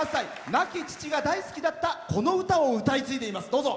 亡き父が大好きだったこの歌を歌い継いでいます。